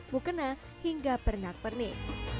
mukena hingga pernak pernik